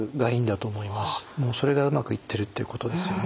もうそれがうまくいってるっていうことですよね。